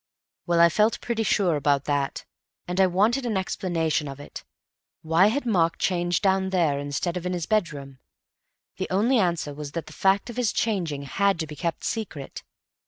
"Well, I felt pretty sure about that, and I wanted an explanation of it. Why had Mark changed down there instead of in his bedroom? The only answer was that the fact of his changing had to be kept secret.